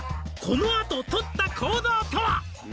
「このあととった行動とは？」